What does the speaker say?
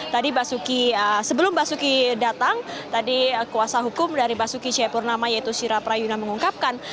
tadi sebelum basuki datang tadi kuasa hukum dari basuki ceyapurnama yaitu sira prayuna mengungkapkan